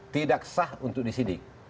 tidak sah untuk disidik